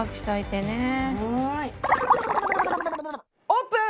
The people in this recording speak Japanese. オープン！